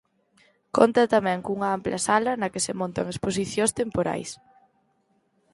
Conta tamén cunha ampla sala na que se montan exposicións temporais.